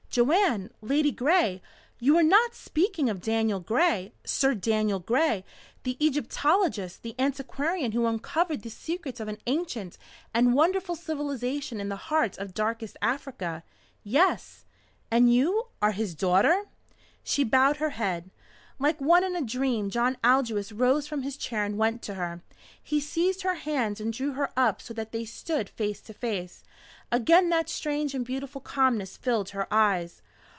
"Joanne Ladygray you are not speaking of Daniel Gray Sir Daniel Gray, the Egyptologist, the antiquarian who uncovered the secrets of an ancient and wonderful civilization in the heart of darkest Africa?" "Yes." "And you are his daughter?" She bowed her head. Like one in a dream John Aldous rose from his chair and went to her. He seized her hands and drew her up so that they stood face to face. Again that strange and beautiful calmness filled her eyes.